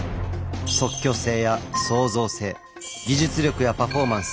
即興性や創造性技術力やパフォーマンス。